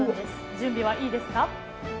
準備はいいですか？